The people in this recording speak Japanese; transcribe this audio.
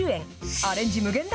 アレンジ無限大。